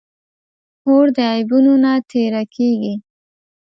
خور د عیبونو نه تېره کېږي.